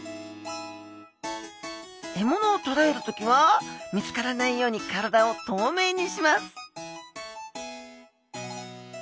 獲物をとらえる時は見つからないように体を透明にします